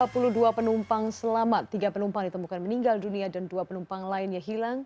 dua puluh dua penumpang selamat tiga penumpang ditemukan meninggal dunia dan dua penumpang lainnya hilang